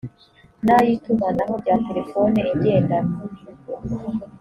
n ay itumanaho rya telefoni igendanwa